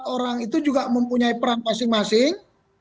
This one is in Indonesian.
empat orang itu juga mempunyai peran masing masing